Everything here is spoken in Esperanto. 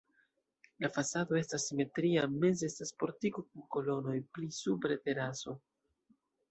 La fasado estas simetria, meze estas portiko kun kolonoj, pli supre teraso.